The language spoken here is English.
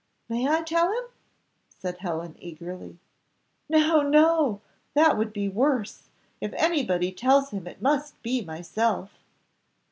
"May I tell him?" said Helen, eagerly. "No, no that would be worse; if anybody tells him it must be myself."